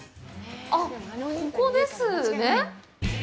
あっ、ここですね？